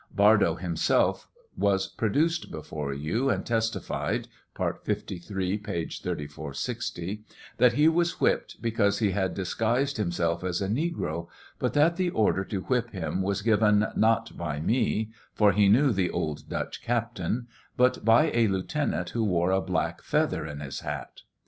Bardo himself was produced before you, an( testified' (part 53, page 3460) that he was whipped because he had clisguise( himself as a negro, but that the order to whip him was given, not by me, fo he knew " the old Dutch Captain" but by a lieutenant who wore a black feathe in his hat.